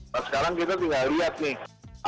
nah sekarang kita tinggal lihat nih